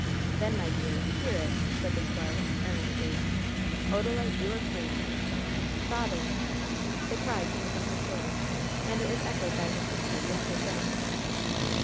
"Then, my dear, hear it!" said the squire, earnestly. "Odalite, you are free!" "Father I" The cry came from her soul, and it was echoed by her sisters and her friend.